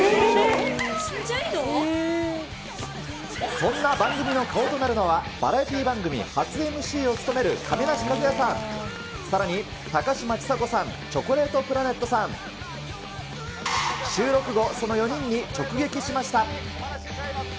そんな番組の顔となるのは、バラエティー番組初ＭＣを務める亀梨和也さん、さらに高嶋ちさ子さん、チョコレートプラネットさん、収録後、その４人に直撃しました。